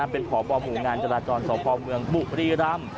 เป็นพบหมู่งานจราจรสพเมืองบุรีรำ